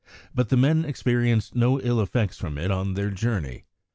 but the men experienced no ill effects from it on their journey.